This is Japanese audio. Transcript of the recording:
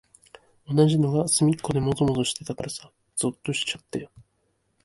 同じのがすみっこでもぞもぞしてたからさ、ぞっとしちゃったよ。